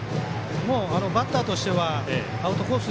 バッターとしてはアウトコース